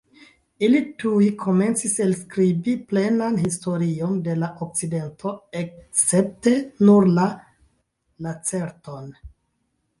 Ili tuj komencis elskribi plenan historion de la akcidento, escepte nur la Lacerton.